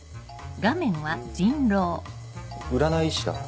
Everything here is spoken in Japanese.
う占い師だ。